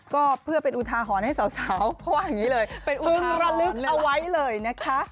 ก็เพื่อเป็นอุทาหรณ์ให้สาวเพราะว่าอย่างนี้เลยเป็นอึงระลึกเอาไว้เลยนะคะ